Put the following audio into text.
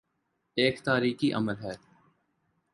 ایک تاریخی عمل ہے۔